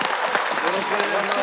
よろしくお願いします。